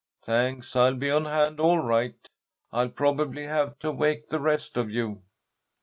"Thanks. I'll be on hand all right. I'll probably have to wake the rest of you."